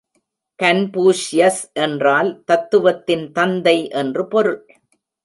Confucius என்றால் தத்துவத்தின் தந்தை என்று பொருள்.